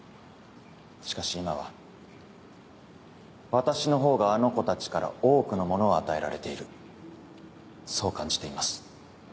しかし今は私のほうがあの子たちから多くのものを与えられているそう感じています。